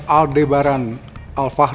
alko belum muncul juga